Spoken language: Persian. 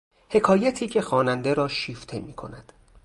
حکایتی که خواننده را شیفته میکند